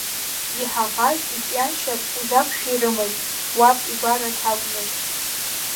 Иҳаӷаз иҵәҩаншьап узақәшәирымызт, уаб игәараҭа акәмызт.